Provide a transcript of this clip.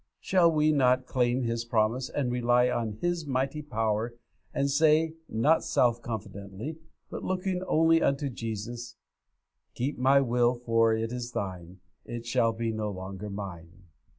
Shall we not claim His promise and rely on His mighty power, and say, not self confidently, but looking only unto Jesus 'Keep my will, for it is Thine; It shall be no longer mine!'